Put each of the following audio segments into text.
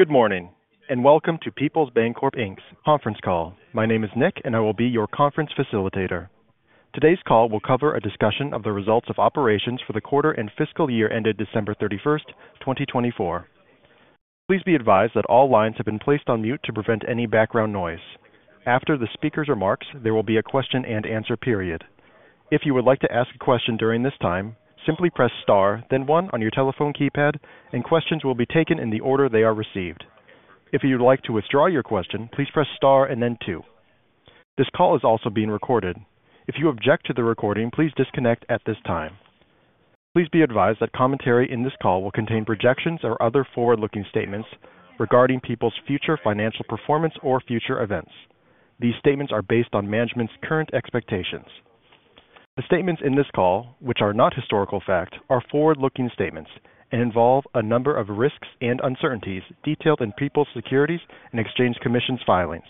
Good morning and welcome to Peoples Bancorp Inc.'s conference call. My name is Nick, and I will be your conference facilitator. Today's call will cover a discussion of the results of operations for the quarter and fiscal year ended December 31, 2024. Please be advised that all lines have been placed on mute to prevent any background noise. After the speaker's remarks, there will be a question and answer period. If you would like to ask a question during this time, simply press star, then one on your telephone keypad, and questions will be taken in the order they are received. If you would like to withdraw your question, please press star and then two. This call is also being recorded. If you object to the recording, please disconnect at this time. Please be advised that commentary in this call will contain projections or other forward-looking statements regarding Peoples' future financial performance or future events. These statements are based on management's current expectations. The statements in this call, which are not historical fact, are forward-looking statements and involve a number of risks and uncertainties detailed in Peoples' Securities and Exchange Commission filings.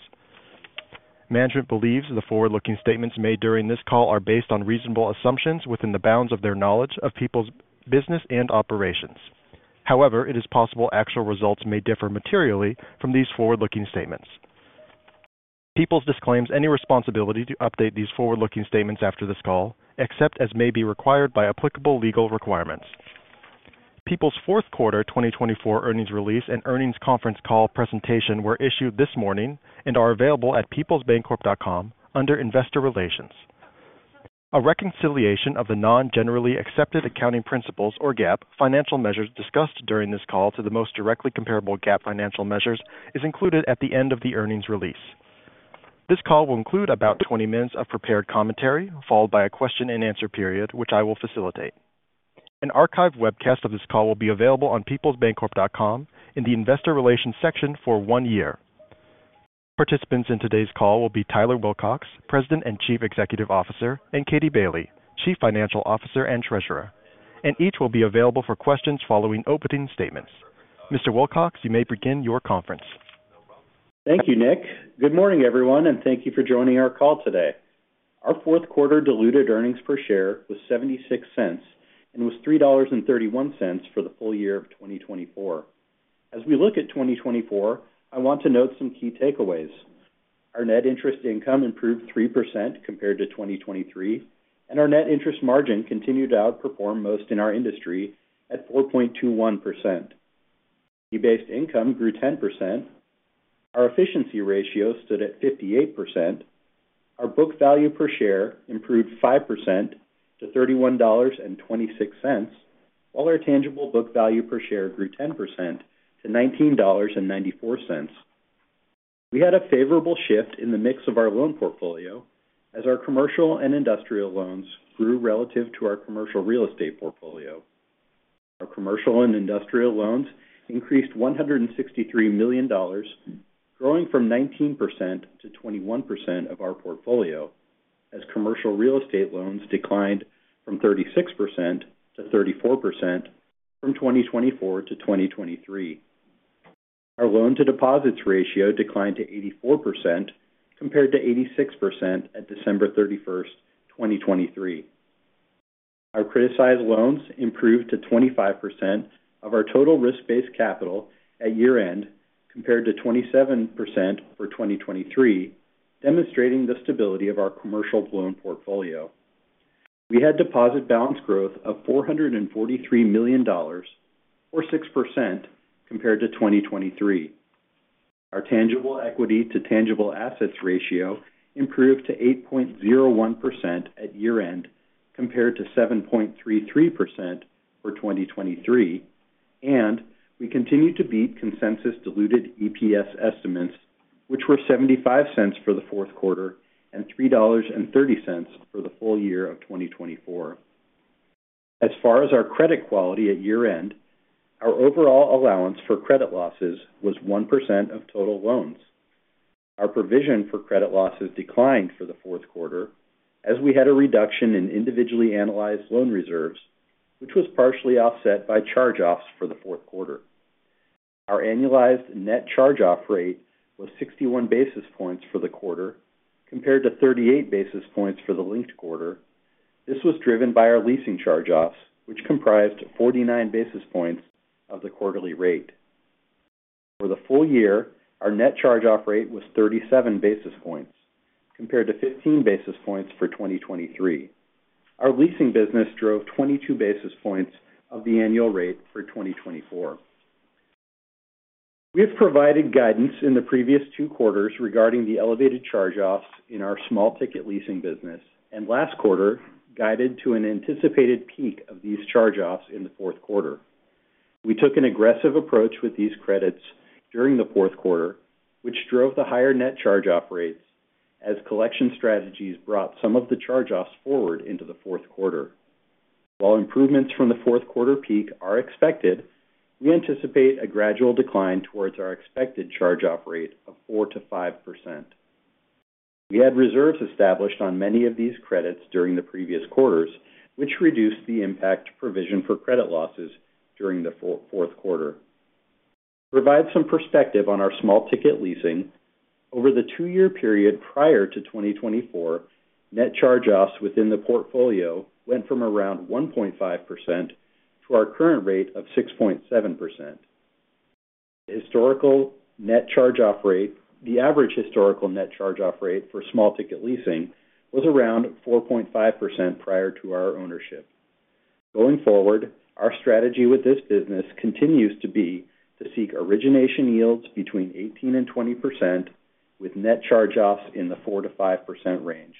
Management believes the forward-looking statements made during this call are based on reasonable assumptions within the bounds of their knowledge of Peoples' business and operations. However, it is possible actual results may differ materially from these forward-looking statements. Peoples disclaims any responsibility to update these forward-looking statements after this call and except as may be required by applicable legal requirements. Peoples' fourth quarter 2024 earnings release and Earnings Conference Call presentation were issued this morning and are available at peoplesbancorp.com under Investor Relations. A reconciliation of the non-GAAP financial measures discussed during this call to the most directly comparable GAAP financial measures is included at the end of the earnings release. This call will include about 20 minutes of prepared commentary followed by a question-and-answer period which I will facilitate. An archived webcast of this call will be available on peoplesbancorp.com in the Investor Relations section for one year. Participants in today's call will be Tyler Wilcox, President and Chief Executive Officer, and Katie Bailey, Chief Financial Officer and Treasurer, and each will be available for questions following opening statements. Mr. Wilcox, you may begin your conference. Thank you, Nick. Good morning, everyone, and thank you for joining our call today. Our fourth quarter diluted earnings per share was $0.76 and was $3.31 for the full year of 2024. As we look at 2024, I want to note some key takeaways. Our net interest income improved 3% compared to 2023 and our net interest margin continued to outperform most in our industry at 4.21%. Fee-based income grew 10%. Our efficiency ratio stood at 58%. Our book value per share improved 5% to $31.26 while our tangible book value per share grew 10% to $19.94. We had a favorable shift in the mix of our loan portfolio as our commercial and industrial loans grew relative to our commercial real estate portfolio. Our commercial and industrial loans increased $163 million growing from 19% to 21% of our portfolio as commercial real estate loans declined from 36% to 34% from 2024 to 2023. Our loan to deposits ratio declined to 84% compared to 86% at December 31, 2023. Our criticized loans improved to 25% of our total risk-based capital at year-end compared to 27% for 2023. Demonstrating the stability of our commercial loan portfolio, we had deposit balance growth of $443 million or 6% compared to 2023. Our tangible equity to tangible assets ratio improved to 8.01% at year-end compared to 7.33% for 2023 and we continue to beat consensus diluted EPS estimates which were $0.75 for the fourth quarter and $3.30 for the full year of 2024. As far as our credit quality at year-end, our overall allowance for credit losses was 1% of total loans. Our provision for credit losses declined for the fourth quarter as we had a reduction in individually analyzed loan reserves which was partially offset by charge-offs for the fourth quarter. Our annualized net charge-off rate was 61 basis points for the quarter compared to 38 basis points for the linked quarter. This was driven by our leasing charge-offs which comprised 49 basis points of the quarterly rate for the full year. Our net charge-off rate was 37 basis points compared to 15 basis points for 2023. Our leasing business drove 22 basis points of the annual rate for 2024. We have provided guidance in the previous two quarters regarding the elevated charge-offs in our small ticket leasing business and last quarter guided to an anticipated peak of these charge-offs in the fourth quarter. We took an aggressive approach with these credits during the fourth quarter, which drove the higher net charge-off rates as collection strategies brought some of the charge-offs forward into the fourth quarter. While improvements from the fourth quarter peak are expected, we anticipate a gradual decline towards our expected charge-off rate of 4%-5%. We had reserves established on many of these credits during the previous quarters, which reduced the impact provision for credit losses during the fourth quarter. To provide some perspective on our small-ticket leasing over the two-year period prior to 2024, net charge-offs within the portfolio went from around 1.5% to our current rate of 6.7% historical net charge-off rate. The average historical net charge-off rate for small-ticket leasing was around 4.5% prior to our ownership. Going forward, our strategy with this business continues to be to seek origination yields between 18% and 20% with net charge-offs in the 4% to 5% range.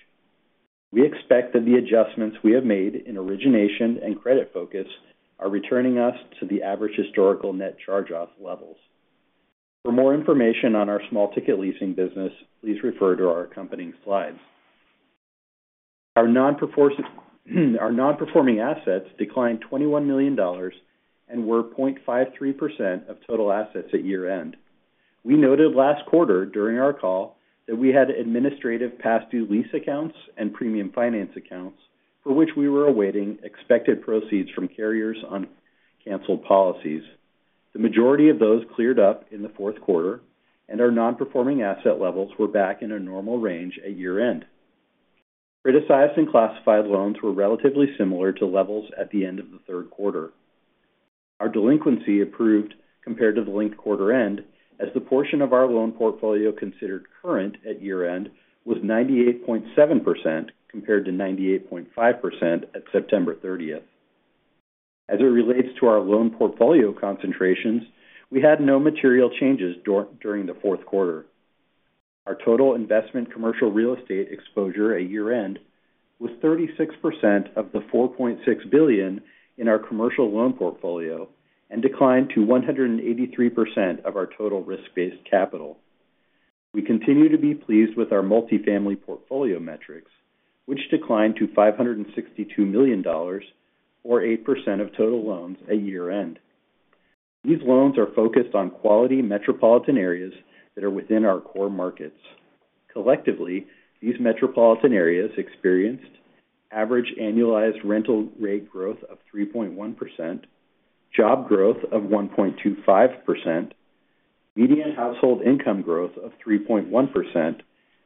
We expect that the adjustments we have made in origination and credit focus are returning us to the average historical net charge-off levels. For more information on our small ticket leasing business, please refer to our accompanying slides. Our non-performing assets declined $21 million and were 0.53% of total assets at year-end. We noted last quarter during our call that we had administrative past due lease accounts and premium finance accounts for which we were awaiting expected proceeds from carriers on canceled policies. The majority of those cleared up in the fourth quarter and our non-performing asset levels were back in a normal range at year-end. Criticized and classified loans were relatively similar to levels at the end of the third quarter. Our delinquency improved compared to the linked quarter end as the portion of our loan portfolio considered current at year-end was 98.7% compared to 98.5% at September 30th. As it relates to our loan portfolio concentrations, we had no material changes during the fourth quarter. Our total investment commercial real estate exposure at year-end was 36% of the $4.6 billion in our commercial loan portfolio and declined to 183% of our total risk-based capital. We continue to be pleased with our multifamily portfolio metrics which declined to $562 million or 8% of total loans at year-end. These loans are focused on quality metropolitan areas that are within our core markets. Collectively, these metropolitan areas experienced average annualized rental rate growth of 3.1%, job growth of 1.25%, median household income growth of 3.1%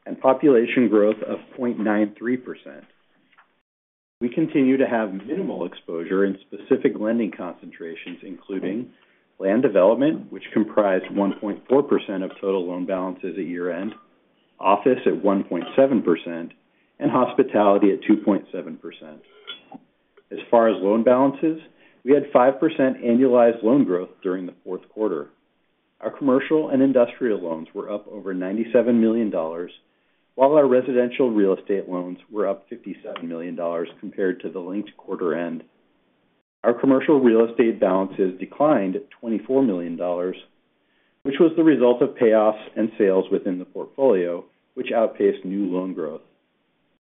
and population growth of 0.93%. We continue to have minimal exposure in specific lending concentrations including land development which comprised 1.4% of total loan balances at year-end, office at 1.7% and hospitality at 2.7%. As far as loan balances, we had 5% annualized loan growth during the fourth quarter. Our commercial and industrial loans were up over $97 million while our residential real estate loans were up $57 million compared to the linked quarter-end. Our commercial real estate balances declined $24 million which was the result of payoffs and sales within the portfolio which outpaced new loan growth.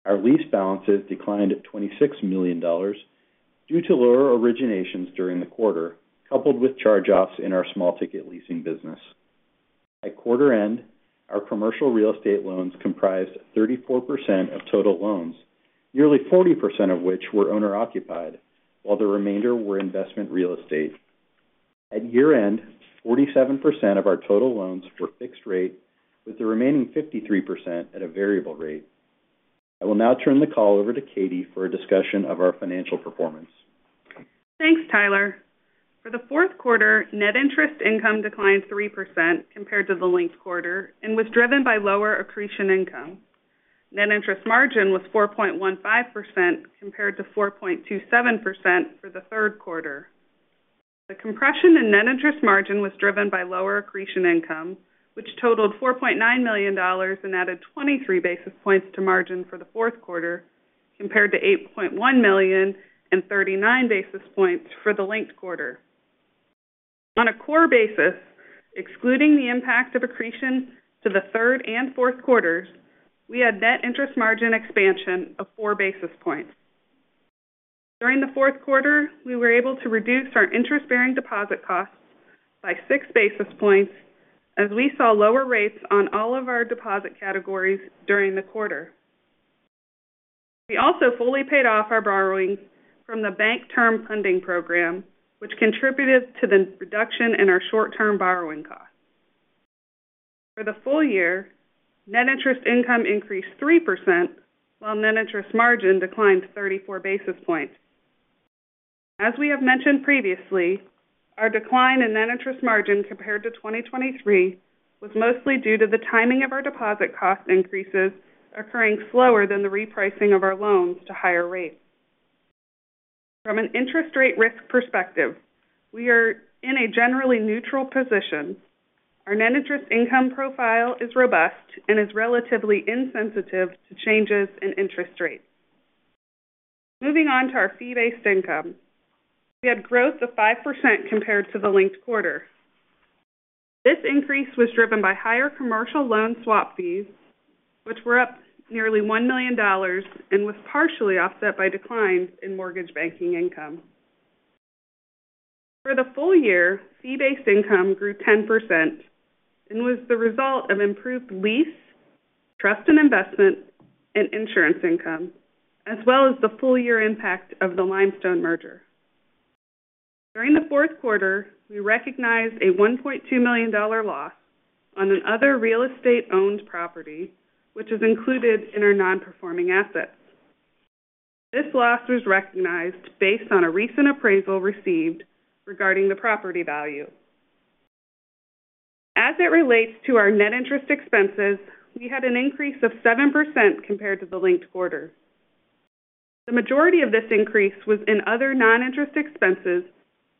Our lease balances declined by $26 million due to lower originations during the quarter coupled with charge-offs in our small ticket leasing business. At quarter end our commercial real estate loans comprised 34% of total loans, nearly 40% of which were owner occupied while the remainder were investment real estate. At year-end, 47% of our total loans were fixed rate with the remaining 53% at a variable rate. I will now turn the call over to Katie for a discussion of our financial performance. Thanks, Tyler, for the fourth quarter. Net interest income declined 3% compared to the linked quarter and was driven by lower accretion income. Net interest margin was 4.15% compared to 4.27% for the third quarter. The compression in net interest margin was driven by lower accretion income which totaled $4.9 million and added 23 basis points to margin for the fourth quarter compared to $8.1 million and 39 basis points for the linked quarter. On a core basis excluding the impact of accretion to the third and fourth quarters, we had net interest margin expansion of 4 basis points. During the fourth quarter we were able to reduce our interest bearing deposit costs by 6 basis points as we saw lower rates on all of our deposit categories during the quarter. We also fully paid off our borrowings from the Bank Term Funding Program which contributed to the reduction in our short term borrowing costs. For the full year, net interest income increased 3% while net interest margin declined 34 basis points. As we have mentioned previously, our decline in net interest margin compared to 2023 was mostly due to the timing of our deposit cost increases occurring slower than the repricing of our loans to higher rates. From an interest rate risk perspective, we are in a generally neutral position. Our net interest income profile is robust and is relatively insensitive to changes in interest rates. Moving on to our fee based income, we had growth of 5% compared to the linked quarter. This increase was driven by higher commercial loan swap fees which were up nearly $1 million and was partially offset by declines in mortgage banking income. For the full year fee-based income grew 10% and was the result of improved lease, trust and investment and insurance income as well as the full year impact of the Limestone merger. During the fourth quarter we recognized a $1.2 million loss on another real estate owned property which is included in our non-performing assets. This loss was recognized based on a recent appraisal received regarding the property value. As it relates to our net interest expenses, we had an increase of 7% compared to the linked quarter. The majority of this increase was in other non-interest expenses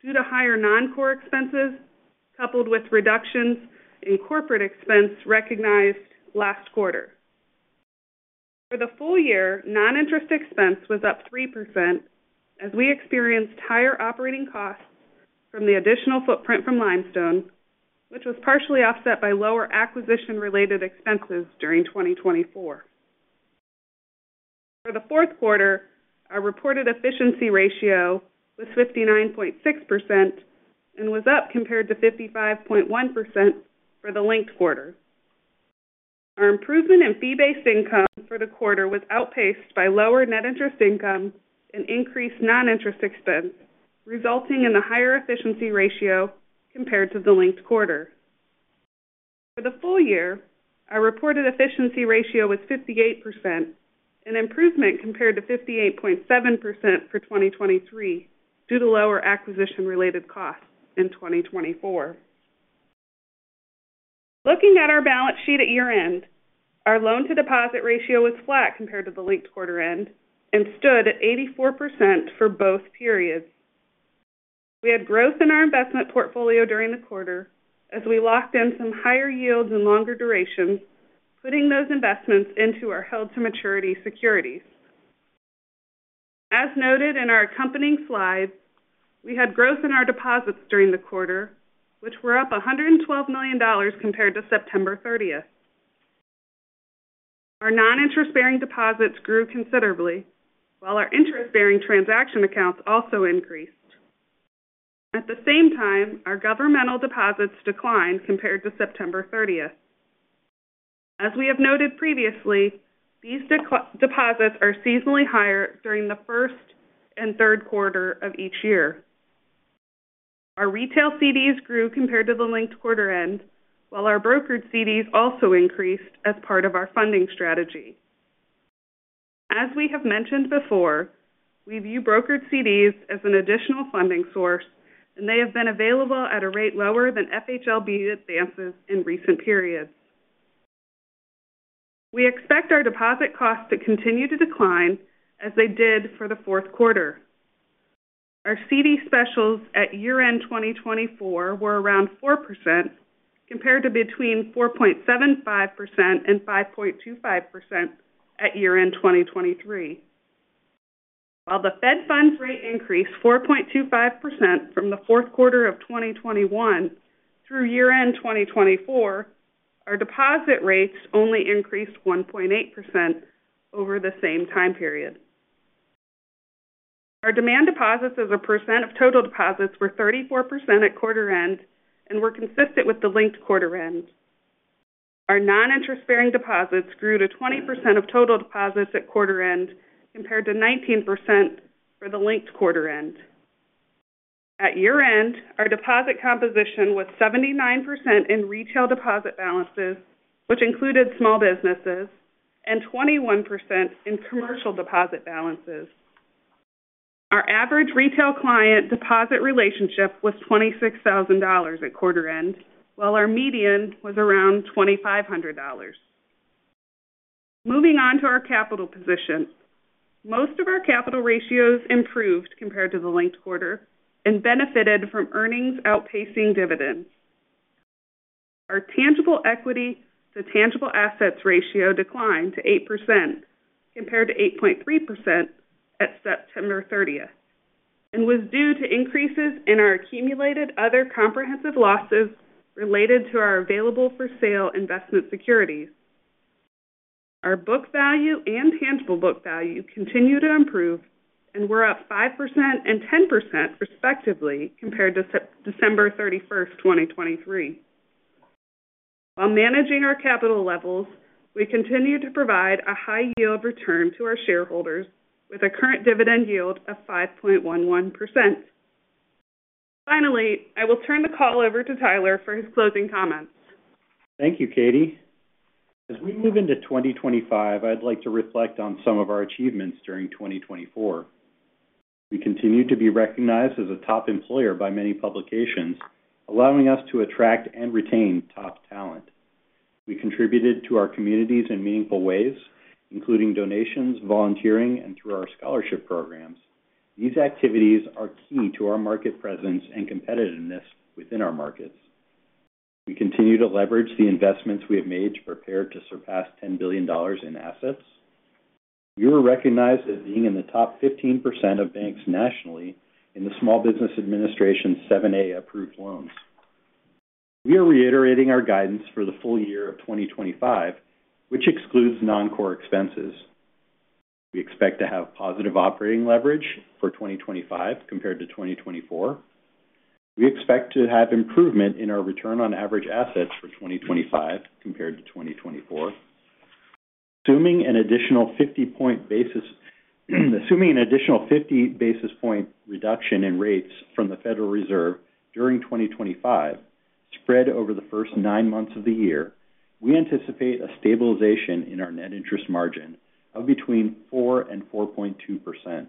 due to higher non-core expenses coupled with reductions in corporate expense recognized last quarter. For the full year, non-interest expense was up 3% as we experienced higher operating costs from the additional footprint from Limestone which was partially offset by lower acquisition related expenses during 2024. For the fourth quarter, our reported efficiency ratio was 59.6% and was up compared to 55.1% for the linked quarter. Our improvement in fee-based income for the quarter was outpaced by lower net interest income and increased non-interest expense resulting in the higher efficiency ratio compared to the linked quarter. For the full year, our reported efficiency ratio was 58%, an improvement compared to 58.7% for 2023 due to lower acquisition-related costs in 2024. Looking at our balance sheet at year-end, our loan-to-deposit ratio was flat compared to the linked quarter-end and stood at 84% for both periods. We had growth in our investment portfolio during the quarter as we locked in some higher yields and longer duration putting those investments into our held-to-maturity securities. As noted in our accompanying slides, we had growth in our deposits during the quarter which were up $112 million compared to September 30th. Our non-interest-bearing deposits grew considerably while our interest-bearing transaction accounts also increased. At the same time our governmental deposits declined compared to September 30th. As we have noted previously, these deposits are seasonally higher. During the first and third quarter of each year, our retail CDs grew compared to the linked quarter end. While our brokered CDs also increased as part of our funding strategy. As we have mentioned before, we view brokered CDs as an additional funding source and they have been available at a rate lower than FHLB advances recent periods. We expect our deposit costs to continue to decline as they did for the fourth quarter. Our CD specials at year-end 2024 were around 4% compared to between 4.75% and 5.25% at year-end 2023. While the Fed funds rate increased 4.25% from the fourth quarter of 2021 through year-end 2024, our deposit rates only increased 1.8% over the same time period. Our demand deposits as a percent of total deposits were 34% at quarter-end and were consistent with the linked quarter-end. Our non-interest-bearing deposits grew to 20% of total deposits at quarter-end compared to 19% for the linked quarter-end. At year-end, our deposit composition was 79% in retail deposit balances which included small businesses and 21% in commercial deposit balances. Our average retail client deposit relationship was $26,000 at quarter-end while our median was around $2,500. Moving on to our capital position, most of our capital ratios improved compared to the linked quarter and benefited from earnings outpacing dividends. Our tangible equity to tangible assets ratio declined to 8% compared to 8.3% at September 30th, and was due to increases in our accumulated other comprehensive losses related to our available for sale investment securities. Our book value and tangible book value continue to improve and we're up 5% and 10% respectively compared to December 31st 2023. While managing our capital levels, we continue to provide a high yield return to our shareholders with a current dividend yield of 5.11%. Finally, I will turn the call over to Tyler for his closing comments. Thank you Katie. As we move into 2025, I'd like to reflect on some of our achievements during 2024. We continue to be recognized as a top employer by many publications allowing us to attract and retain top talent. We contributed to our communities in meaningful ways including donations, volunteering and through our scholarship programs. These activities are key to our market presence and competitiveness within our markets. We continue to leverage the investments we have made to prepare to surpass $10 billion in assets. We were recognized as being in the top 15% of banks nationally in the Small Business Administration 7(a) approved loans. We are reiterating our guidance for the full year of 2025 which excludes non-core expenses. We expect to have positive operating leverage for 2025 compared to 2024. We expect to have improvement in our return on average assets for 2025 compared to 2024 assuming an additional 50 basis points. Assuming an additional 50 basis points reduction in rates from the Federal Reserve during 2025 spread over the first nine months of the year, we anticipate a stabilization in our net interest margin of between 4% and 4.2%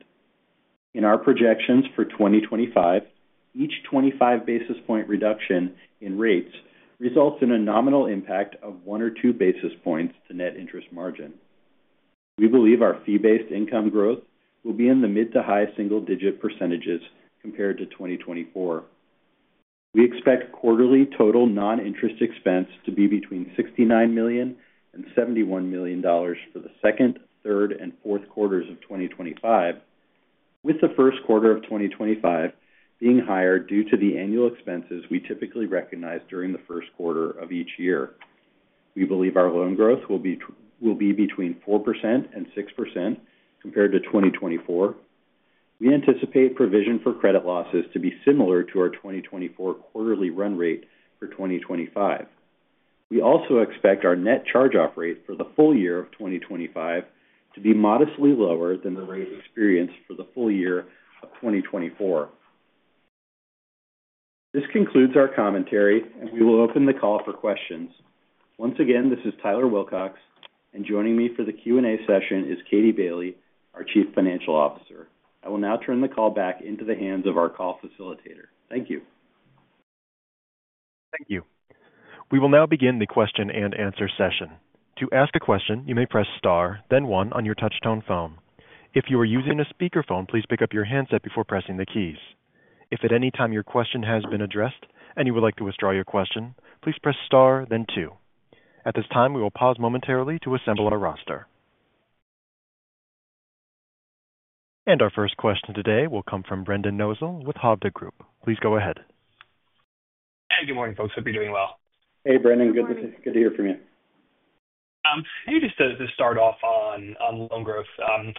in our projections for 2025. Each 25 basis points reduction in rates results in a nominal impact of one or two basis points to net interest margin. We believe our fee based income growth will be in the mid to high single digit percentages compared to 2024. We expect quarterly total noninterest expense to be between $69 million and $71 million for the second, third and fourth quarters of 2025, with the first quarter of 2025 being higher due to the annual expenses we typically recognize during the first quarter of each year. We believe our loan growth will be between 4% and 6% compared to 2024. We anticipate provision for credit losses to be similar to our 2024 quarterly run rate for 2025. We also expect our net charge-off rate for the full year of 2025 to be modestly lower than the rate experienced for the full year of 2024. This concludes our commentary and we will open the call for questions once again. This is Tyler Wilcox, and joining me for the Q and A session is Katie Bailey, our Chief Financial Officer. I will now turn the call back into the hands of our call facilitator. Thank you. Thank you. We will now begin the question and answer session. To ask a question, you may press Star then one on your touchtone phone. If you are using a speakerphone, please pick up your handset before pressing the keys. If at any time your question has been addressed and you would like to withdraw your question, please press Star then two. At this time, we will pause momentarily to assemble our roster. And our first question today will come from Brendan Nosal with Hovde Group. Please go ahead. Hey, good morning, folks. Hope you're doing well. Hey, Brendan, good to hear from you. Maybe just to start off on loan growth, I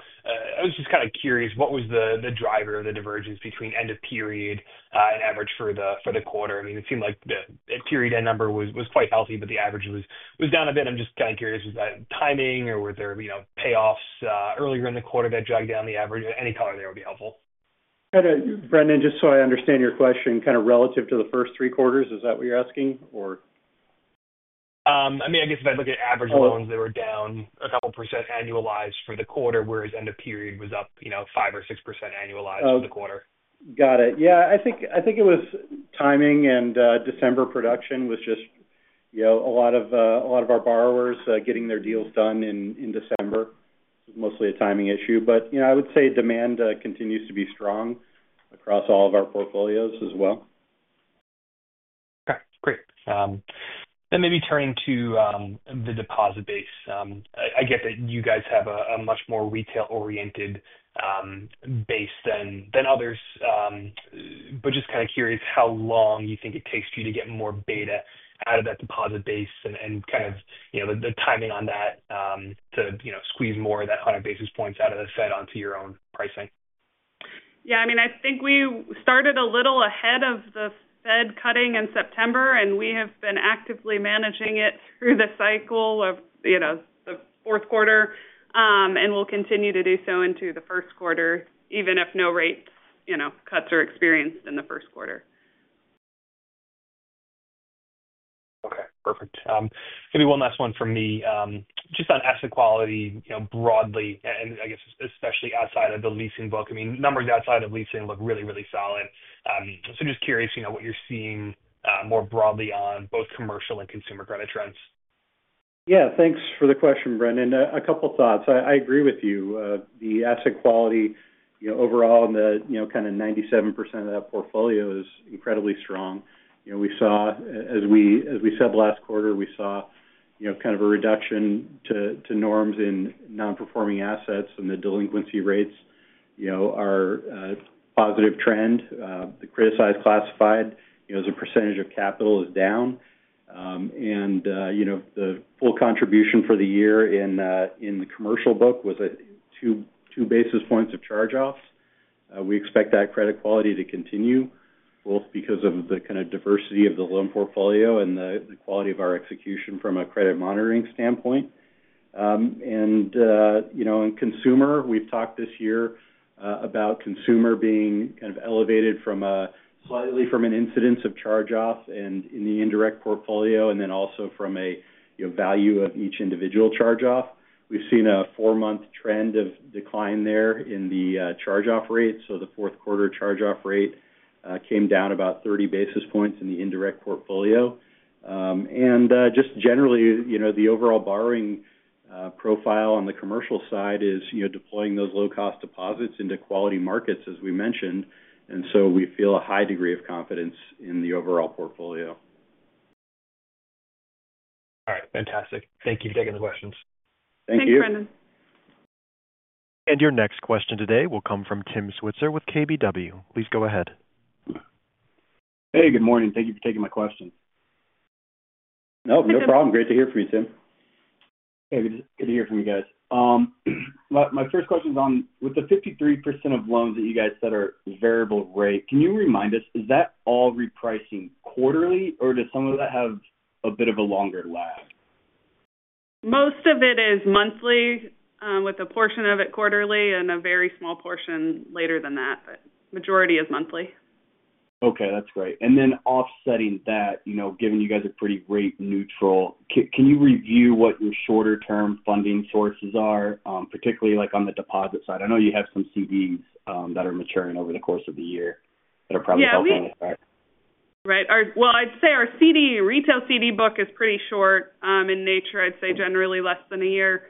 was just kind of curious, what was the driver of the divergence between end of period and average for the quarter? I mean, it seemed like the period end number was quite healthy, but the average was down a bit. I'm just kind of curious, was that timing or were there payoffs earlier in the quarter that dragged down the average? Any color there would be helpful. Brendan, just so I understand your question kind of relative to the first three quarters, is that what you're asking or? I mean, I guess if I look at average loans, they were down a couple percent annualized for the quarter, whereas end of period was up, you know, 5 or 6% annualized for the quarter. Got it. Yeah, I think it was timing, and December production was just, you know, a lot of our borrowers getting their deals done in December. Mostly a timing issue, but I would say demand continues to be strong across all of our portfolios as well. Great. Then maybe turning to the deposit base. I get that you guys have a much more retail oriented base than others, but just kind of curious how long you think it takes for you to get more beta out of that deposit base and kind of the timing on that to squeeze more of that 100 basis points out of the Fed onto your own pricing? Yeah, I mean, I think we started a little ahead of the Fed cutting in September, and we have been actively managing it through the cycle of the fourth quarter, and we'll continue to do so into the first quarter even if no rate cuts are experienced in the first quarter. Okay, perfect. Maybe one last one for me just on asset quality broadly and I guess especially outside of the leasing book. I mean, the numbers on leasing look really, really solid. So just curious what you're seeing more broadly on both commercial and consumer credit trends? Yeah, thanks for the question. Brendan, a couple thoughts. I agree with you. The asset quality overall kind of 97% of that portfolio is incredibly strong. As we said last quarter, we saw kind of a reduction to norms in non-performing assets and the delinquency rates, you know, are positive trend. The criticized classified as a percentage of capital is down and you know, the full contribution for the year in the commercial book was two basis points of charge-offs. We expect that credit quality to continue both because of the kind of diversity of the loan portfolio and the quality of our execution from a credit monitoring standpoint. You know, in consumer, we've talked this year about consumer being kind of elevated slightly from an incidence of charge-off and in the indirect portfolio and then also from a value of each individual charge-off. We've seen a four-month trend of decline there in the charge-off rate. The fourth quarter charge-off rate came down about 30 basis points in the indirect portfolio. Just generally the overall borrowing profile on the commercial side is deploying those low-cost deposits into quality markets as we mentioned. We feel a high degree of confidence in the overall portfolio. All right, fantastic. Thank you for taking the questions. Thank you, Brendan. And your next question today will come from Tim Switzer with KBW. Please go ahead. Hey, good morning. Thank you for taking my question. No, no problem. Great to hear from you, Tim. Hey, good to hear from you guys. My first question is on the 53% of loans that you guys said are variable rate. Can you remind us, is that all repricing quarterly or does some of that have a bit of a longer lag? Most of it is monthly with a portion of it quarterly and a very small portion later than that, but majority is monthly. Okay, that's great. And then offsetting that, you know, given you guys are pretty rate neutral, can you review what your shorter term funding sources are particularly like on the deposit side? I know you have some CDs that are maturing over the course of the year that are probably helping, right? Well, I'd say our CD retail CD book is pretty short in nature. I'd say generally less than a year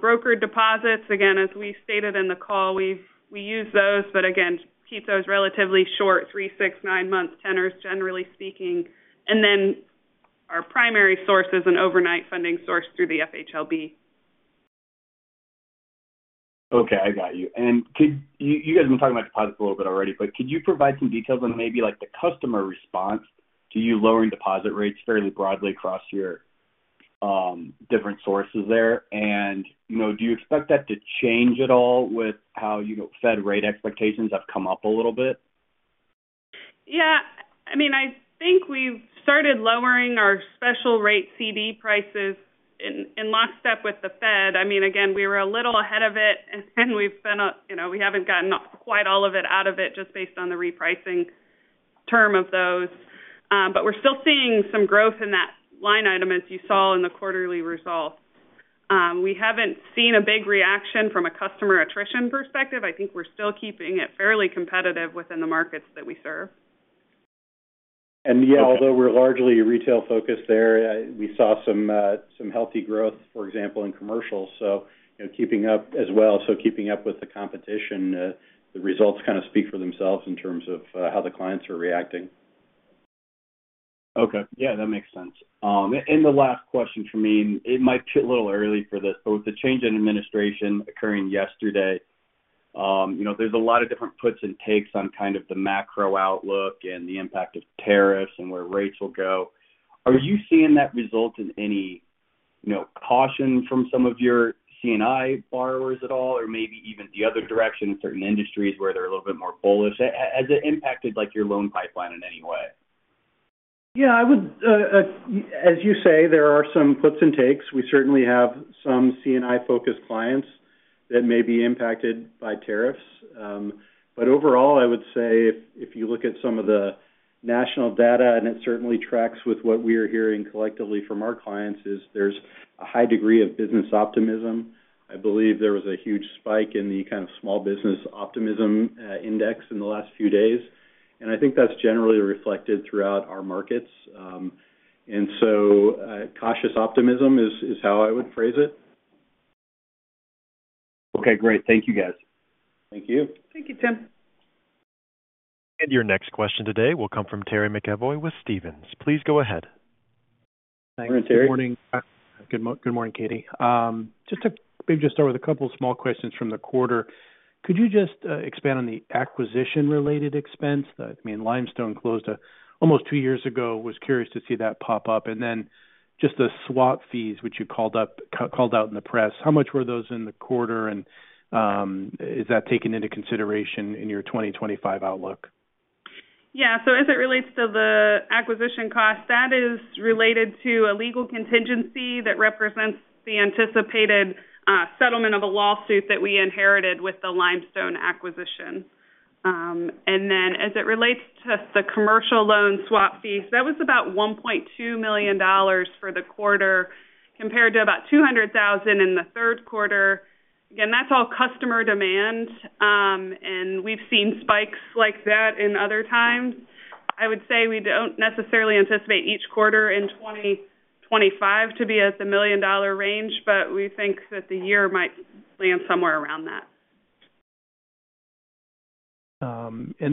broker deposits, again, as we stated in the call, we use those, but again keep those relatively short three, six, nine month tenors, generally speaking. And then our primary source is an overnight funding source through the FHLB. Okay, I got you. And you guys have been talking about deposits a little bit already, but could you provide some details on maybe like the customer response to you lowering deposit rates fairly broadly across your different sources there? And do you expect that to change at all with how Fed rate expectations have come up a little bit? Yeah, I mean, I think we've started lowering our special rate CD prices in lockstep with the Fed. I mean again, we were a little ahead of it and we've been, you know, we haven't gotten quite all of it out of it just based on the repricing term of those. But we're still seeing some growth in that line item. As you saw in the quarterly results. We haven't seen a big reaction from a customer attrition perspective. I think we're still keeping it fairly competitive within the markets that we serve. Yeah, although we're largely retail focused there, we saw some healthy growth, for example, in commercial. Keeping up with the competition, the results kind of speak for themselves in terms of how the clients are reacting. Okay, yeah, that makes sense. And the last question for me, it might be a little early for this, but with the change in administration occurring yesterday, you know, there's a lot of different puts and takes on kind of the macro outlook and the impact of tariffs and where rates will go. Are you seeing that result in any caution from some of your C&I borrowers at all or maybe even the other direction in certain industries where they're a little bit more bullish? Has it impacted like your loan pipeline in any way? Yeah, I would. As you say, there are some puts and takes. We certainly have some C&I focused clients that may be impacted by tariffs. But overall, I would say if you look at some of the national data, and it certainly tracks with what we are hearing collectively from our clients, is there's a high degree of business optimism. I believe there was a huge spike in the kind of small business optimism index in the last few days and I think that's generally reflected throughout our markets. And so cautious optimism is how I would phrase it. Okay, great. Thank you, guys. Thank you. Thank you, Tim. And your next question today will come from Terry McEvoy with Stephens. Please go ahead. Good morning, Katie. Just to maybe start with a couple small questions from the quarter, could you just expand on the acquisition-related expense? I mean, Limestone closed almost two years ago. Was curious to see that pop up. And then just the swap fees which you called out in the press. How much were those in the quarter and is that taken into consideration in your 2025 outlook? Yeah, so as it relates to the acquisition cost, that is related to a legal contingency that represents the anticipated settlement of a lawsuit that we inherited with the Limestone acquisition, and then as it relates to the commercial loan swap fees, that was about $1.2 million for the quarter compared to about $200,000 in the third quarter. Again, that's all customer demand, and we've seen spikes like that in other times. I would say we don't necessarily anticipate each quarter in 2025 to be at the million dollar range, but we think that the year might land somewhere around that.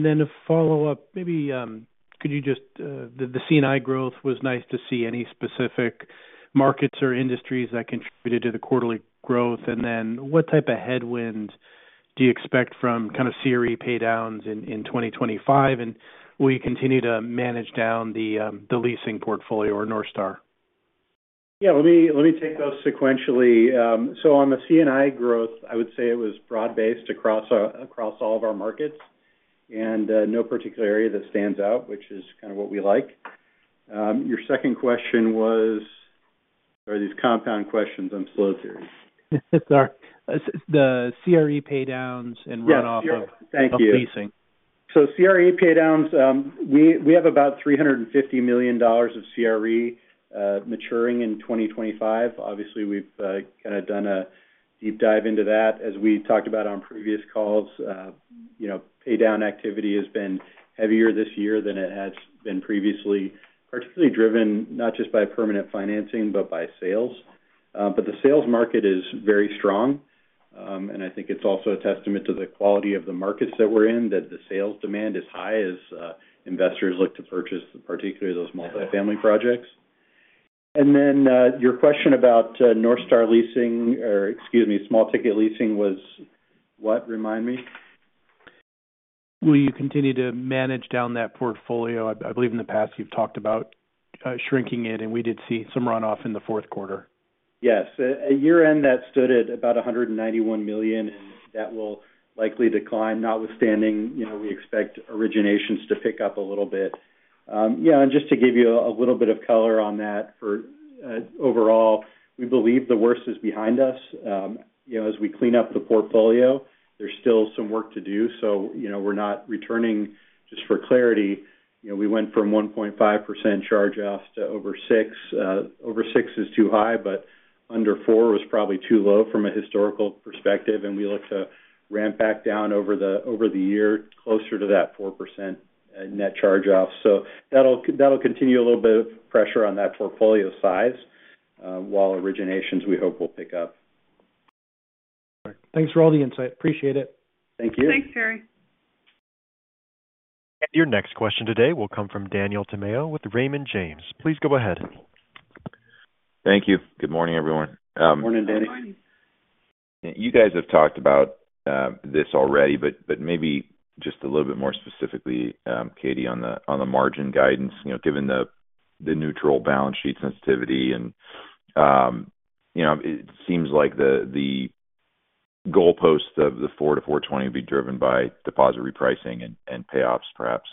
Then a follow-up, maybe. The C&I growth was nice to see. Any specific markets or industries that contributed to the quarterly growth? And then what type of headwind do you expect from kind of CRE paydowns in 2025? And will you continue to manage down the leasing portfolio or North Star? Yeah, let me take those sequentially. So on the C&I growth, I would say it was broad-based across all of our markets and no particular area that stands out, which is kind of what we like. Your second question was, are these compound questions? I'm sorry, Terry. The CRE paydowns and runoff of. Thank you. So CRE pay downs, we have about $350 million of CRE maturing in 2025. Obviously, we've kind of done a deep dive into that. As we talked about on previous calls, pay down activity has been heavier this year than it has been previously, particularly driven not just by permanent financing, but by sales. But the sales market is very strong. And I think it's also a testament to the quality of the markets that we're in that the sales demand is high as investors look to purchase, particularly those multifamily projects. And then your question about North Star Leasing, or, excuse me, small ticket leasing, was what? Remind me. Will you continue to manage down that portfolio? I believe in the past you've talked about shrinking it and we did see some runoff in the fourth quarter. Yes. A year-end that stood at about $191 million and that will likely decline notwithstanding. We expect originations to pick up a little bit. Yeah, and just to give you a little bit of color on that, overall, we believe the worst is behind us. As we clean up the portfolio, there's still some work to do, so we're not returning. Just for clarity, we went from 1.5% charge-offs to over 6%. Over 6% is too high, but under 4% was probably too low from a historical perspective, and we look to ramp back down over the year closer to that 4% net charge-off. So that'll continue a little bit of pressure on that portfolio size while originations, we hope, will pick up. Thanks for all the insight. Appreciate it. Thank you. Thanks, Terry. Your next question today will come from Daniel Tamayo with Raymond James. Please go ahead. Thank you. Good morning, everyone. Morning, Danny. You guys have talked about this already, but maybe just a little bit more specifically, Katie, on the margin guidance. Given the neutral balance sheet sensitivity and it seems like the goalpost of the 4% to 4.20% would be driven by deposit repricing and payoffs, perhaps.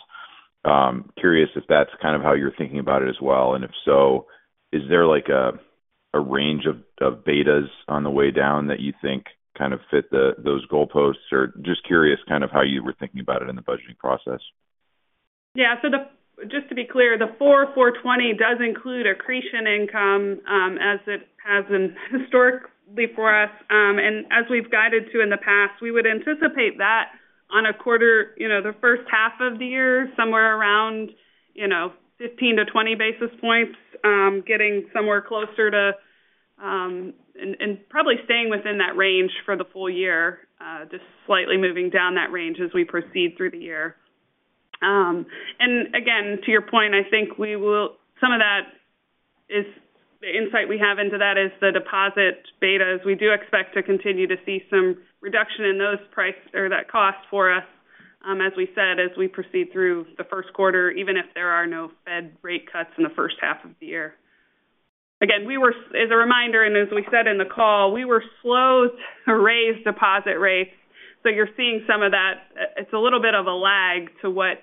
Curious if that's kind of how you're thinking about it as well. And if so, is there like a range of betas on the way down that you think kind of fit those goalposts or just curious kind of how you were thinking about it in the budgeting process? Yeah. So just to be clear, the 4 to 4.20 does include accretion income as it has been historically for us and as we've guided to in the past, we would anticipate that on a quarter, you know, the first half of the year, somewhere around, you know, 15-20 basis points, getting somewhere closer to and probably staying within that range for the full year, just slightly moving down that range as we proceed through the year. And again, to your point, I think we will. Some of that is the insight we have into that, the deposit betas. We do expect to continue to see some reduction in those prices or that cost for us, as we said as we proceed through the first quarter, even if there are no Fed rate cuts in the first half of the year. Again, we were as a reminder and as we said in the call, slow to raise deposit rates. So you're seeing some of that. It's a little bit of a lag to what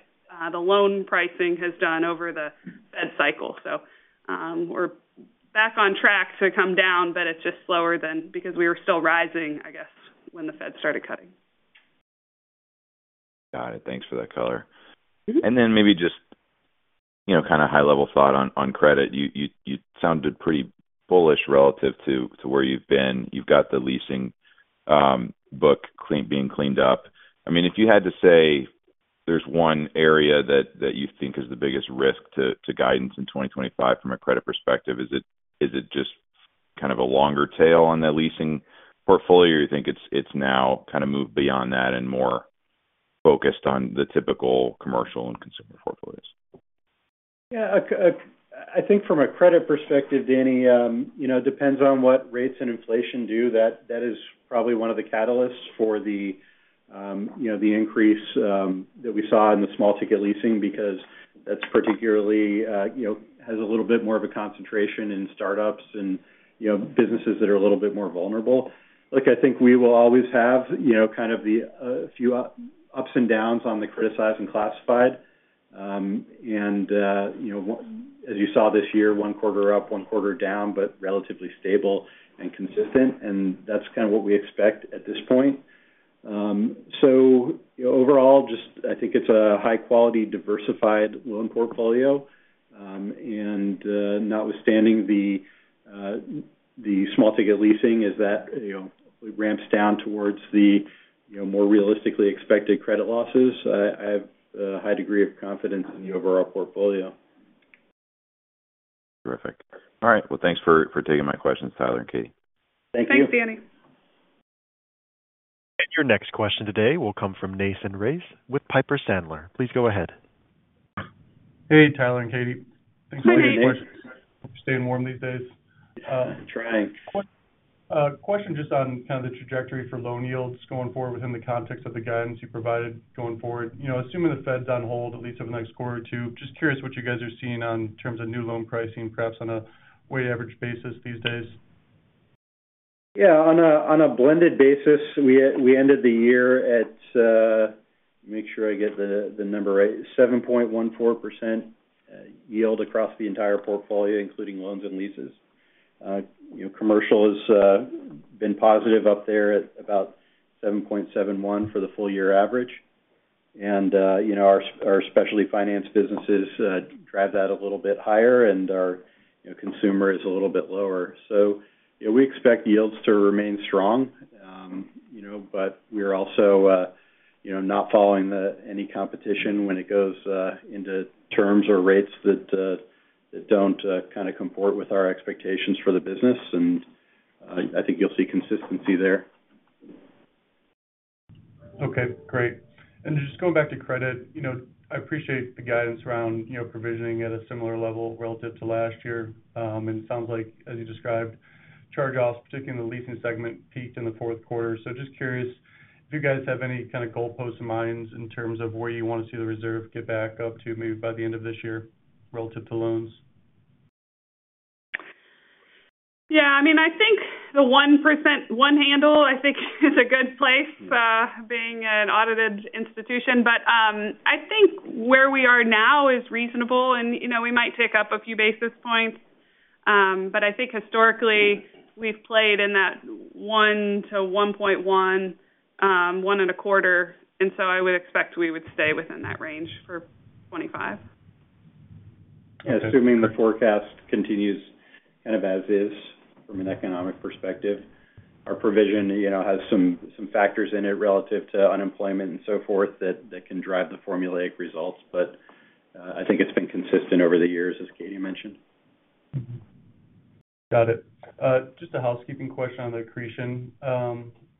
the loan pricing has done over the Fed cycle. So we're back on track to come down, but it's just slower than because we were still rising, I guess, when the Fed started cutting. Got it. Thanks for that color. And then maybe just, you know, kind of high level thought on credit. You sounded pretty bullish relative to where you've been. You've got the leasing book being cleaned up. I mean, if you had to say, there's one area that you think is the biggest risk to guidance in 2025 from a credit perspective. Is it? Is it just kind of a longer tail on the leasing portfolio or you think it's now kind of moved beyond that and more focused on the typical commercial and consumer portfolios? Yeah, I think from a credit perspective, Danny, depends on what rates and inflation do. That is probably one of the catalysts for the increase that we saw in the small ticket leasing because that's particularly, you know, has a little bit more of a concentration in startups and, you know, businesses that are a little bit more vulnerable. Look, I think we will always have, you know, kind of the few ups and downs on the criticized and classified and, you know, as you saw this year, one quarter up, one quarter down, but relatively stable and consistent. And that's kind of what we expect at this point. So. So overall, just, I think it's a high quality diversified loan portfolio. And notwithstanding the small ticket leasing, as that ramps down towards the more realistically expected credit losses, I have a high degree of confidence in the overall portfolio. Terrific. All right, well, thanks for taking my questions, Tyler and Katie. Thank you. Thanks, Danny. Your next question today will come from Nathan Race with Piper Sandler. Please go ahead. Hey, Tyler and Katie, thanks so much. Staying warm these days. Question just on kind of the trajectory for loan yields going forward within the context of the guidance you provided going forward. You know, assuming the Fed's on hold at least over the next quarter or two. Just curious what you guys are seeing in terms of new loan pricing, perhaps on a weighted average basis these days. Yeah, on a blended basis. We ended the year at, make sure I get the number right, 7.14% yield across the entire portfolio, including loans and leases. Commercial has been positive up there at about 7.71% for the full year average. And our specialty finance businesses drive that a little bit higher and our consumer is a little bit lower. So we expect yields to remain strong, but we're also not following any competition when it goes into terms or rates that don't kind of comport with our expectations for the business. And I think you'll see consistency there. Okay, great. And just going back to credit, I appreciate the guidance around provisioning. At a similar level relative to last year. And it sounds like, as you described, charge-offs, particularly in the leasing segment, peaked in the fourth quarter. So just curious if you guys have any kind of goalposts in mind in terms of where you want to see the reserve get back up to maybe by the end of this year relative to loans? Yeah, I mean, I think the 1% to 1 handle, I think is a good place being an audited institution, but I think where we are now is reasonable. And, you know, we might take up a few basis points, but I think historically we've played in that one to 1.11 and a quarter. And so I would expect we would stay within that range for 2025. Assuming the forecast continues kind of as is from an economic perspective. Our provision, you know, has some factors in it relative to unemployment and so forth that can drive the formulaic results. But I think it's been consistent over the years, as Katie mentioned. Got it. Just a housekeeping question on the accretion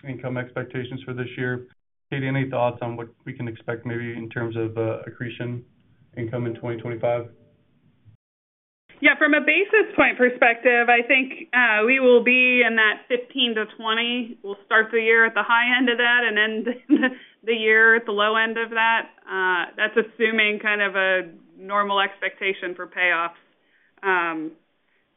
income expectations for this year. Katie, any thoughts on what we can expect maybe in terms of accretion income in 2025? Yeah, from a basis point perspective, I think we will be in that 15-20 level. Start the year at the high end of that and end the year at the low end of that. That's assuming kind of a normal expectation for payoffs.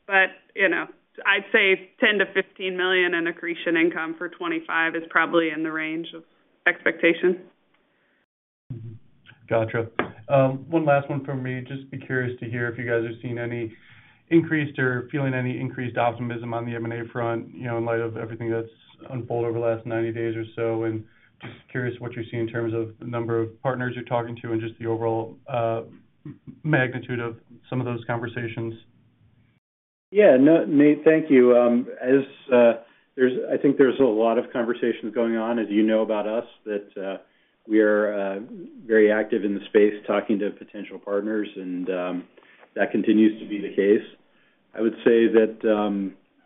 But, you know, I'd say $10-15 million in accretion income for 2025 is probably in the range of expectation. Gotcha. One last one for me. Just curious to hear if you guys are seeing any increased or feeling any increased optimism on the M&A front, you know, in light of everything that's unfolded over the last 90 days or so? Just curious what you're seeing in terms of the number of partners you're talking to and just the overall magnitude of some of those conversations? Yeah. Nate, thank you. I think there's a lot of conversations going on, as you know, about us, that we are very active in the space talking to potential partners, and that continues to be the case. I would say that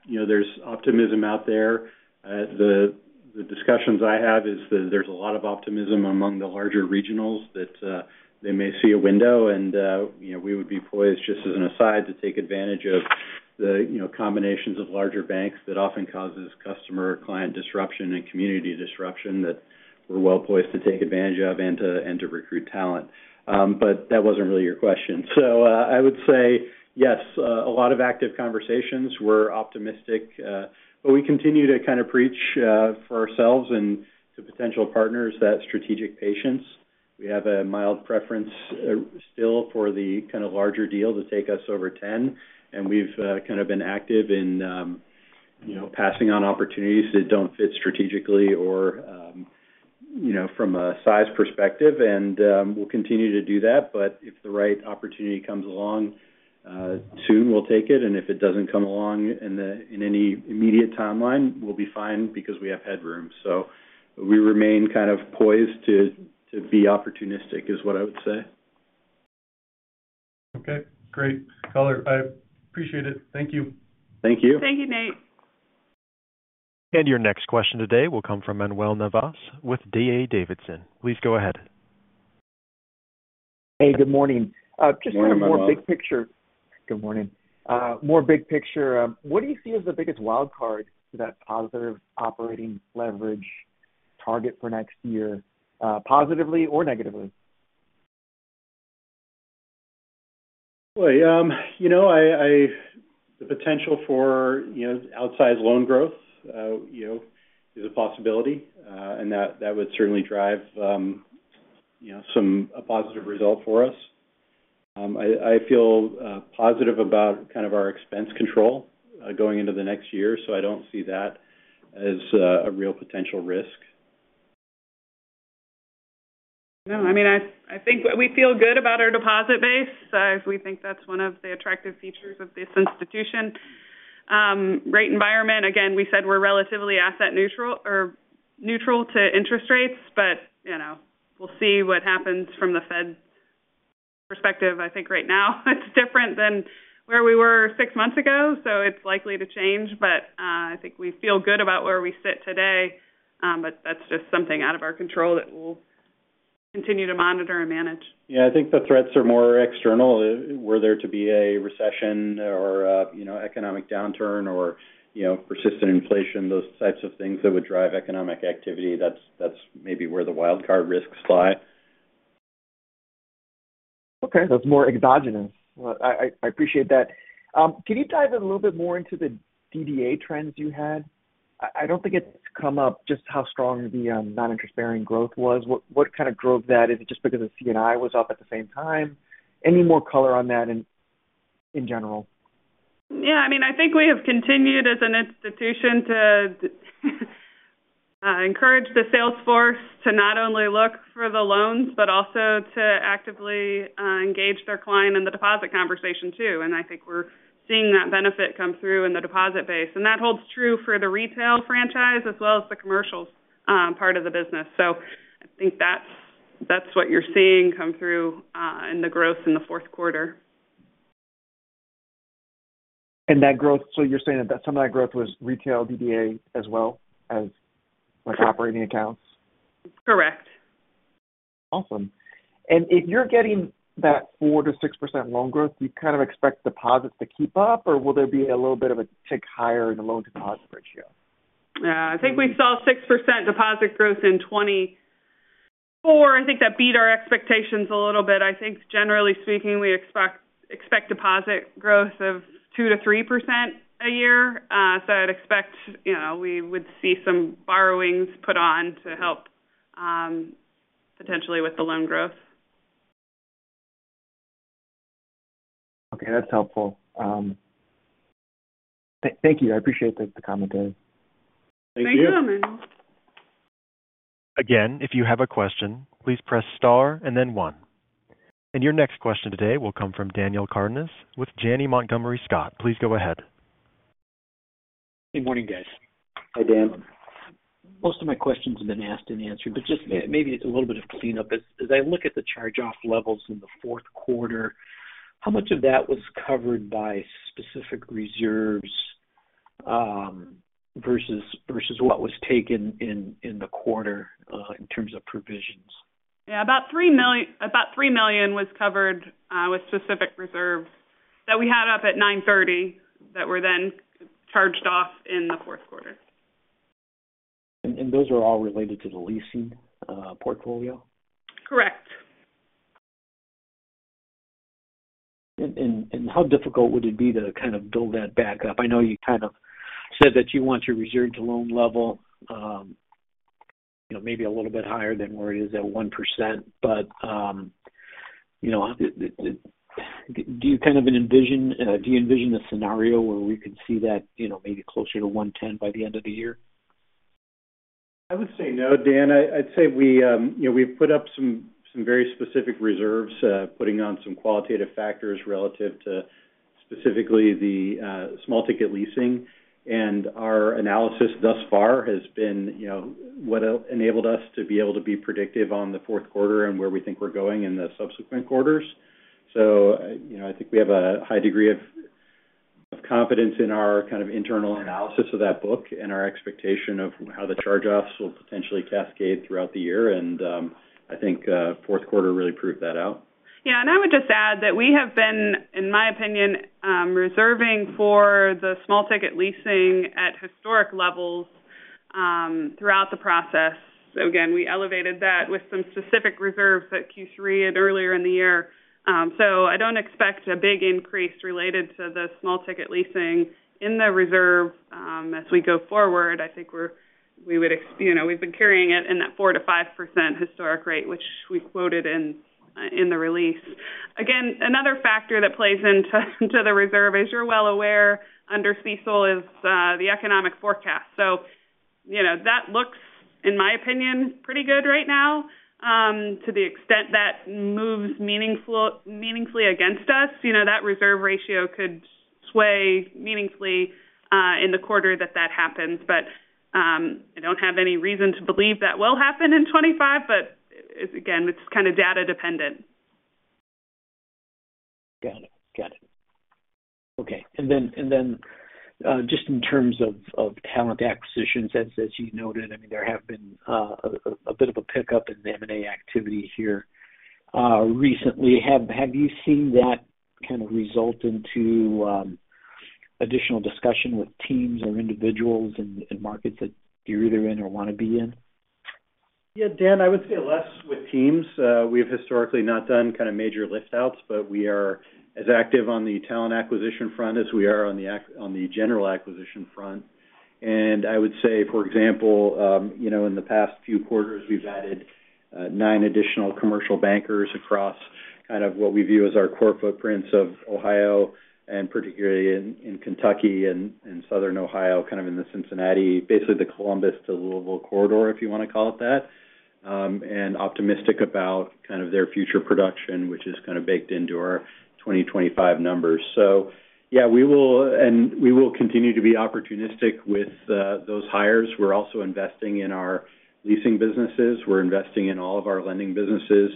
there's optimism out there. The discussions I have is that there's a lot of optimism among the larger regionals that they may see a window and we would be poised, just as an aside, to take advantage of the combinations of larger banks that often causes customer client disruption and community disruption, that we're well poised to take advantage of and to recruit talent. But that wasn't really your question. So I would say yes, a lot of active conversations. We're optimistic, but we continue to kind of preach for ourselves and to potential partners that strategic patience. We have a mild preference still for the kind of larger deal to take us over 10. And we've kind of been active in, you know, passing on opportunities that don't fit strategically or, you know, from a size perspective. And we'll continue to do that. But if the right opportunity comes along soon, we'll take it. And if it doesn't come along in any immediate timeline, we'll be fine because we have headroom. So we remain kind of poised to be opportunistic is what I would say. Okay, great color. I appreciate it. Thank you. Thank you. Thank you, Nate. And your next question today will come from Manuel Navas with D.A. Davidson. Please go ahead. Hey, good morning. Just kind of more big picture. What do you see as the biggest wild card to that positive operating leverage target for next year, positively or negatively? You know, the potential for outsized loan growth, you know, is a possibility and that would certainly drive some positive result for us. I feel positive about kind of our expense control going into the next year. So I don't see that as a real potential risk. No, I mean, I think we feel good about our deposit base. We think that's one of the attractive features of this institution rate environment. Again, we said we're relatively asset neutral or neutral to interest rates, but, you know, we'll see what happens. From the Fed perspective, I think right now it's different than where we were six months ago, so it's likely to change, but I think we feel good about where we sit today, but that's just something out of our control that we'll continue to monitor and manage. Yeah, I think the threats are more external. Were there to be a recession or, you know, economic downturn or, you know, persistent inflation, those types of things that would drive economic activity. That's maybe where the wild card risks fly. Okay, that's more exogenous. I appreciate that. Can you dive in a little bit more into the DDA trends you had? I don't think it's come up just how strong the non-interest-bearing growth was. What kind of drove that? Is it just because the C&I was up at the same time? Any more color on that in general? Yeah, I mean, I think we have continued as an institution to encourage the sales force to not only look for the loans, but also to actively engage their client in the deposit conversation too. And I think we're seeing that benefit come through in the deposit base and that holds true for the retail franchise as well as the commercial part of the business, so I think that's what you're seeing come through in the growth in the fourth quarter. And that growth. So you're saying that some of that growth was retail DDA as well as operating accounts? Correct. Awesome. And if you're getting that 4%-6% loan growth, do you kind of expect deposits to keep up or will there be a little bit of a tick higher in the loan deposit ratio? I think we saw 6% deposit growth in 2024. I think that beat our expectations a little bit. I think generally speaking, we expect deposit growth of 2%-3% a year. So I'd expect we would see some borrowings put on to help potentially with the loan growth. Okay, that's helpful. Thank you. I appreciate the commentary. Thank you. Again. If you have a question, please press star and then one. And your next question today will come from Daniel Cardenas with Janney Montgomery Scott. Please go ahead. Good morning, guys. Hi, Dan. Most of my questions have been asked and answered, but just maybe a little bit of cleanup as I look at the charge-off levels in the fourth quarter. How much of that was covered by specific reserves versus what was taken in the quarter in terms of provisions? About $3 million was covered with specific reserve that we had up at 9:30 that were then charged off in the fourth quarter. Those are all related to the leasing portfolio? Correct. How difficult would it be to kind of build that back up? I know you kind of said that you want your reserve to loan level maybe a little bit higher than where it is at 1%. But, you know, do you kind of envision, do you envision a scenario where we can see that, you know, maybe closer to 1.10 by the end of the year? I would say no, Dan. I'd say we, you know, we've put up some very specific reserves, putting on some qualitative factors relative to specifically the small ticket leasing, and our analysis thus far has been, you know, what enabled us to be able to be predictive on the fourth quarter and where we think we're going in the subsequent quarters, so I think we have a high degree of confidence in our kind of internal analysis of that book and our expectation of how the charge-offs will potentially cascade throughout the year, and I think fourth quarter really proved that out. Yeah. And I would just add that we have been, in my opinion, reserving for the small ticket leasing at historic levels throughout the process. So again, we elevated that with some specific reserves at Q3 and earlier. In the year. So I don't expect a big increase related to the small ticket leasing in the reserve as we go forward. I think we would. You know, we've been carrying it in that 4%-5% historic rate which we quoted in the release. Again, another factor that plays into the reserve, as you're well aware, under CECL is the economic forecast. So, you know, that looks, in my opinion, pretty good right now to the extent that moves meaningfully against us. You know, that reserve ratio could sway meaningfully in the quarter that that happens. But I don't have any reason to believe that will happen in 2025. But again, it's kind of data dependent. Got it, got it. Okay. And then just in terms of talent acquisitions, as you noted, I mean, there have been a bit of a pickup in the M&A activity here recently. Have you seen that kind of result into additional discussion with teams or individuals in markets that you're either in or want to be in? Yeah, Dan, I would say less with teams. We have historically not done kind of major lift outs, but we are as active on the talent acquisition front as we are on the. On the general acquisition front. And I would say, for example, you know, in the past few quarters, we've added nine additional commercial bankers across kind of what we view as our core footprints of Ohio, and particularly in Kentucky and Southern Ohio, kind of in the Cincinnati, basically the Columbus, the Louisville corridor, if you want to call it that, and optimistic about kind of their future production, which is kind of baked into our 2025 numbers. So, yeah, we will. And we will continue to be opportunistic with those hires. We're also investing in our leasing businesses. We're investing in all of our lending businesses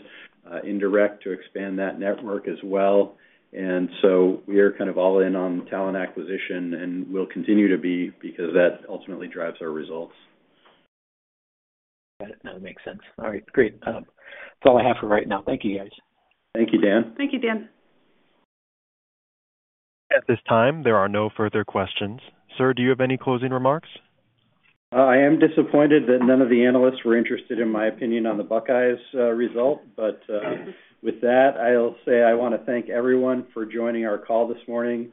indirect to expand that network as well. And so we are kind of all in on talent acquisition and will continue to be because that ultimately drives our results. Got it. That makes sense. All right, great. That's all I have for right now. Thank you, guys. Thank you, Dan. Thank you, Dan. At this time, there are no further questions. Sir, do you have any closing remarks? I am disappointed that none of the analysts were interested in my opinion on the Buckeyes result, but with that, I'll say I want to thank everyone for joining our call this morning.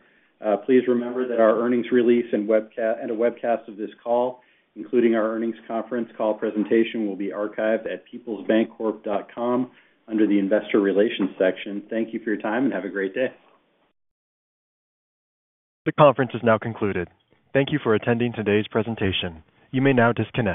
Please remember that our earnings release and a webcast of this call, including our earnings conference call presentation, will be archived at peoplesbancorp.com under the Investor Relations section. Thank you for your time, and have a great day. The conference has now concluded. Thank you for attending today's presentation. You may now disconnect.